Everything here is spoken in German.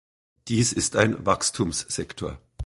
Dies ist ein Wachstumssektor.